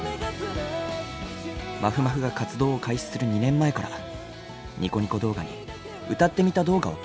まふまふが活動を開始する２年前からニコニコ動画に歌ってみた動画を投稿。